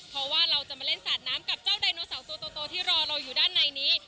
เพราะว่าเราจะมาเล่นสาดน้ำกับเจ้าไดโนเสาร์ตัวโตที่รอเราอยู่ด้านในนี้